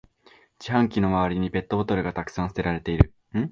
自販機の周りにペットボトルがたくさん捨てられてる